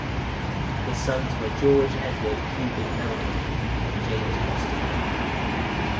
His sons were George Edward Pugin Meldon and James Austin Meldon.